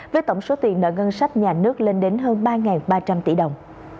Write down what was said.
với tổng số tiền nợ ngân sách nhà nước lên đến hơn ba ba trăm linh